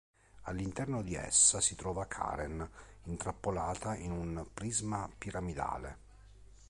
All'interno di essa si trova Karen, intrappolata in un prisma piramidale.